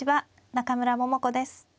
中村桃子です。